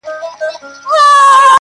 ګواکي ستا په حق کي هیڅ نه دي لیکلي٫